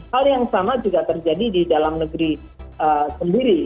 hal yang sama juga terjadi di dalam negeri sendiri